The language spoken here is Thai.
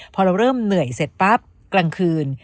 พอเราเริ่มเหนื่อยเสร็จปั๊บกลางคืน